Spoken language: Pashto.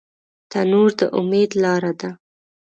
تنور د امید لاره ده